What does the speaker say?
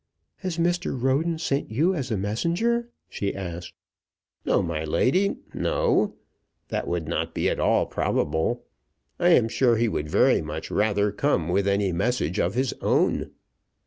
"Has Mr. Roden sent you as a messenger?" she asked. "No, my lady; no. That would not be at all probable. I am sure he would very much rather come with any message of his own."